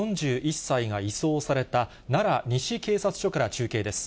４１歳が移送された奈良西警察署から中継です。